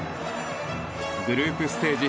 グループステージ